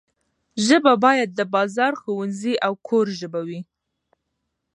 ژبه باید د بازار، ښوونځي او کور ژبه وي.